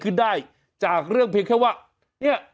ขึ้นได้จากเรื่องเพียงแค่ว่าเนี่ย